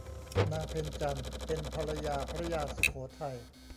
นางเพ็ญจันทร์เป็นภรรยาพระยาสุโขทัย